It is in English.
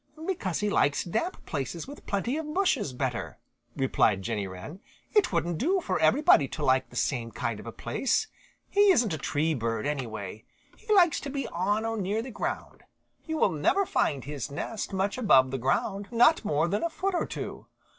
"Because he likes damp places with plenty of bushes better," replied Jenny Wren. "It wouldn't do for everybody to like the same kind of a place. He isn't a tree bird, anyway. He likes to be on or near the ground. You will never find his nest much above the ground, not more than a foot or two.